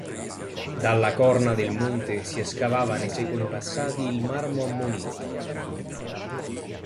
Dalla Corna del Monte si escavava nei secoli passati il marmo ammonitico.